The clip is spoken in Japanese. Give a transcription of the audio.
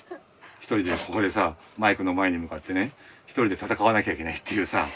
ひとりでここでさマイクの前にむかってねひとりでたたかわなきゃいけないっていうさ